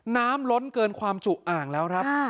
ล้นเกินความจุอ่างแล้วครับ